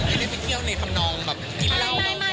ไม่ได้ไปเที่ยวในทางน่องแบบกินเหล้า